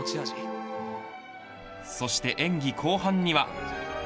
そして演技後半には。